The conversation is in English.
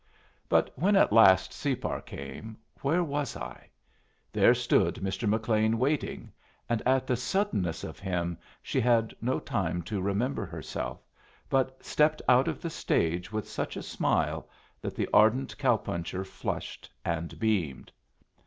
But when at last Separ came, where was I? There stood Mr. McLean waiting, and at the suddenness of him she had no time to remember herself, but stepped out of the stage with such a smile that the ardent cow puncher flushed and beamed.